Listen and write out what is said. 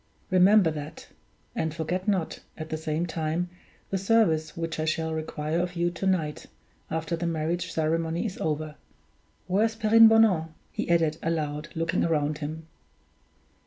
Remember that; and forget not, at the same time, the service which I shall require of you to night, after the marriage ceremony is over. Where is Perrine Bonan?" he added, aloud, looking round him.